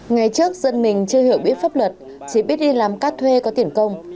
ngày trước dân mình chưa hiểu biết pháp luật chỉ biết đi làm cát thuê có tiền công